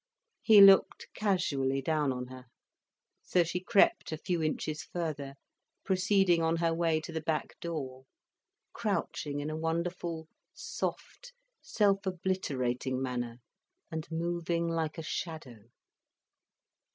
He looked casually down on her. So she crept a few inches further, proceeding on her way to the back door, crouching in a wonderful, soft, self obliterating manner, and moving like a shadow.